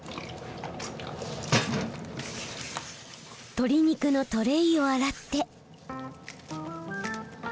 鶏肉のトレーを洗って。